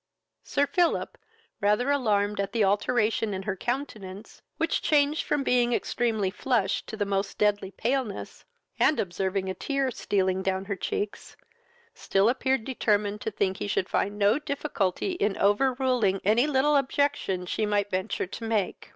Sir Philip, rather alarmed at the alteration in her countenance, which changed from being extremely flushed to the most deadly paleness; and, observing a tear stealing down her cheeks, still appeared determined to think he should find no difficulty in over ruling any little objection she might venture to make.